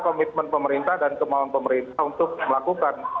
komitmen pemerintah dan kemauan pemerintah untuk melakukan